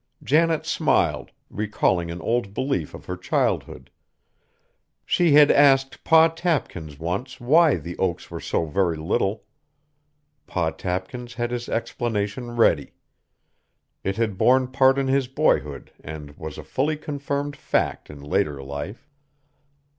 Janet smiled, recalling an old belief of her childhood. She had asked Pa Tapkins once why the oaks were so very little. Pa Tapkins had his explanation ready. It had borne part in his boyhood and was a fully confirmed fact in later life.